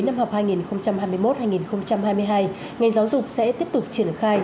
năm học hai nghìn hai mươi một hai nghìn hai mươi hai ngành giáo dục sẽ tiếp tục triển khai